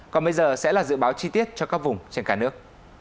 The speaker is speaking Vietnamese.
còn bây giờ sẽ là dự báo chi tiết cho các vùng trên cả nước